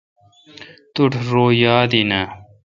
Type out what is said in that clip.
توٹھ رو یاد این اؘ۔